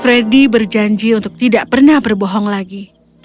freddy berjanji untuk tidak pernah berbohong lagi